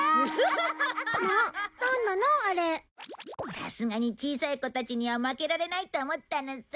さすがに小さい子たちには負けられないと思ったのさ。